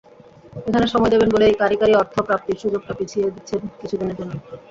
এখানে সময় দেবেন বলেই কাঁড়ি কাঁড়ি অর্থ প্রাপ্তির সুযোগটা পিছিয়ে দিচ্ছেন কিছুদিনের জন্য।